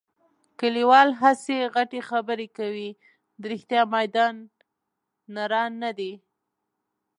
کلیوال هسې غټې خبرې کوي. د رښتیا میدان نران نه دي.